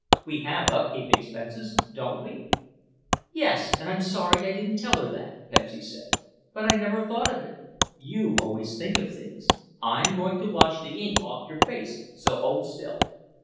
We have upkeep expenses, don't we?" "Yes, and I'm sorry I didn't tell her that," Pepsy said, "but I never thought of it. You always think of things. I'm going to wash the ink off your face, so hold still."